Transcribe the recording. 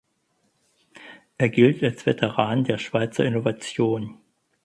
Er gilt als Veteran der Schweizer Innovation.